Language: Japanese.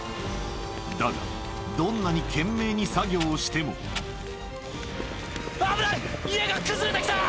だが、どんなに懸命に作業を危ない、家が崩れてきた！